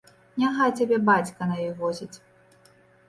Няхай цябе бацька на ёй возіць.